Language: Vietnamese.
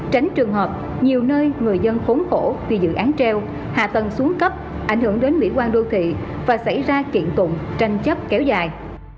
tránh trường hợp nhiều nơi người dân khốn khổ vì dự án treo hạ tầng xuống cấp ảnh hưởng đến mỹ quan đô thị và xảy ra kiện tụng tranh chấp kéo dài